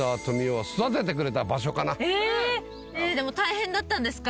大変だったんですか？